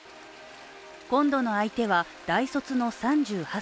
今度の相手は大卒の３８歳。